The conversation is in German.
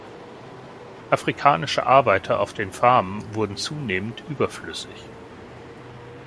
Afrikanische Arbeiter auf den Farmen wurden zunehmend überflüssig.